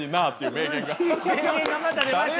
名言がまた出ましたよ。